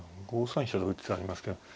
５三飛車とか打つ手ありますけど。